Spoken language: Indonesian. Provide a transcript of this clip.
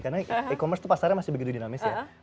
karena e commerce tuh pasarnya masih begitu dinamis ya